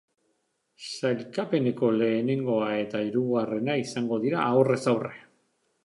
Sailkapeneko lehenengoa eta hirugarrena izango dira, aurrez aurre.